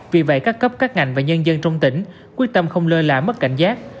vì vậy các cấp các ngành và nhân dân trong tỉnh quyết tâm không lơ là mất cảnh giác